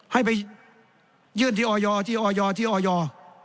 ให้ไปยื่นที่ออยที่ออยที่ออย